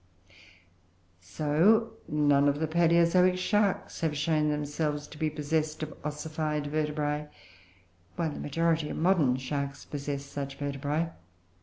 So, none of the Palaeozoic Sharks have shown themselves to be possessed of ossified vertebrae, while the majority of modern Sharks possess such vertebrae.